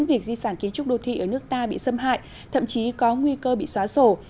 việc di sản kiến trúc đô thị ở nước ta bị xâm hại thậm chí có nguy cơ bị xóa sổ